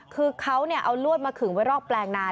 คือเขาเอาลวดมาขึงไว้รอบแปลงนา